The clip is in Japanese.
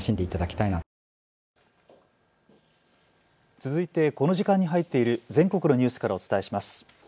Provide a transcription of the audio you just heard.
続いてこの時間に入っている全国のニュースからお伝えします。